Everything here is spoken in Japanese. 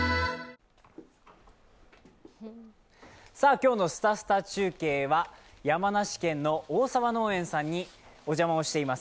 今日のスタスタ中継は山梨県の大沢農園さんにお邪魔をしています。